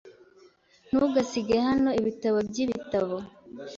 Ntugasige hano ibitabo byibitabo.